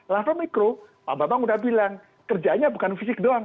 level mikro pak bambang udah bilang kerjanya bukan fisik doang